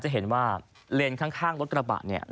จะเห็นว่าเลนส์ข้างรถกระบะเนี่ย